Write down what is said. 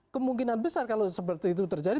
kemungkinan besar kalau seperti itu terjadi